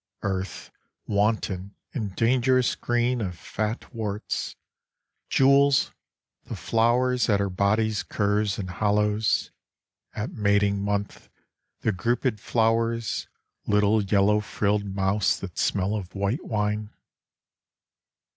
Earth wanton in dangerous green of fat worts. Jewels, the flowers at her body's curves and Hollows, at mating month, the grouped flowers Little yellow frillt'd mouths that smell of white wine.